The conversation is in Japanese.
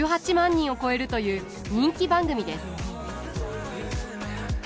人を超えるという人気番組です。